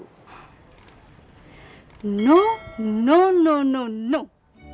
tidak tidak tidak tidak